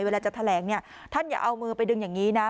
เวลาจะแถลงเนี่ยท่านอย่าเอามือไปดึงอย่างนี้นะ